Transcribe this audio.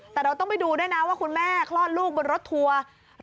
แต่เราต้องไปดูด้วยนะว่าคุณแม่คลอดลูกบนรถทัวร์